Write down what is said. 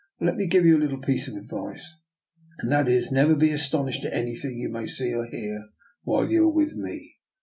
" Well, let me give you a little piece of advice, and that is, never be astonished at anything you may see or hear while you are with me.